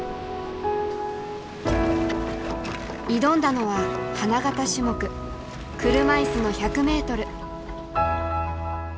挑んだのは花形種目車いすの１００ｍ。